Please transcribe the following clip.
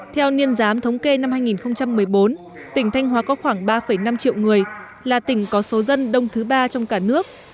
theo niên giám thống kê năm hai nghìn một mươi bốn tỉnh thanh hóa có khoảng ba năm triệu người là tỉnh có số dân đông thứ ba trong cả nước